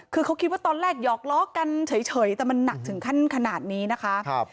คือเขาคิดว่าตอนแรกหยอกล้อกันเฉยแต่มันหนักถึงขั้นขนาดนี้นะคะ